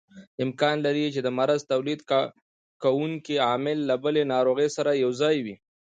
امکان لري چې د مرض تولید کوونکی عامل له بلې ناروغۍ سره یوځای وي.